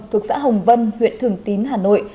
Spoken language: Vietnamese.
thuộc xã hồng vân huyện thường tín hà nội